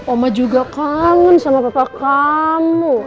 oma juga kangen sama bapak kamu